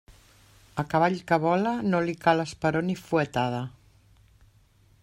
A cavall que vola, no li cal esperó ni fuetada.